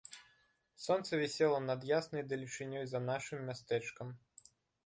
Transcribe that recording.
Сонца вісела над яснай далечынёй за нашым мястэчкам.